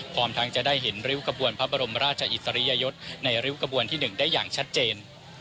พร้อมทั้งจะได้เห็นริ้วกระบวนพระบรมราชอิสริยยศในริ้วกระบวนที่๑ได้อย่างชัดเจน